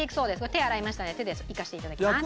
手洗いましたので手でいかせて頂きます。